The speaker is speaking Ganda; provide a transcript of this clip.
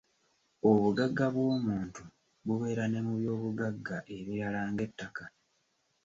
Obugagga bw’omuntu bubeera ne mu by’obugagga ebirala ng’ettaka.